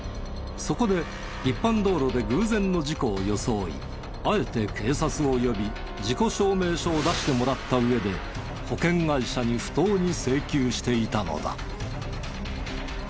そこで一般道路で偶然の事故を装いあえて警察を呼び事故証明書を出してもらった上で保険会社に不当に請求していたのだ。